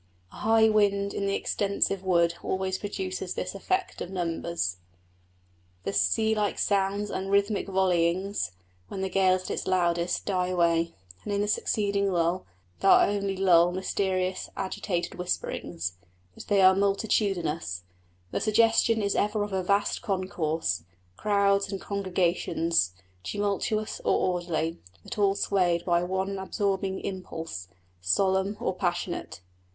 A high wind in an extensive wood always produces this effect of numbers. The sea like sounds and rhythmic volleyings, when the gale is at its loudest, die away, and in the succeeding lull there are only low, mysterious agitated whisperings; but they are multitudinous; the suggestion is ever of a vast concourse crowds and congregations, tumultuous or orderly, but all swayed by one absorbing impulse, solemn or passionate.